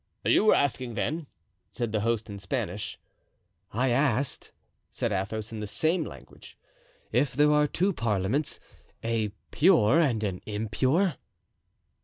"You were asking, then?" said the host in Spanish. "I asked," said Athos, in the same language, "if there are two parliaments, a pure and an impure?"